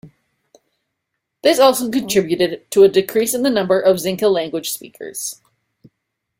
This also contributed to a decrease in the number of Xinca-language speakers.